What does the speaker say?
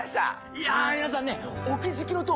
いや皆さんねお気付きの通り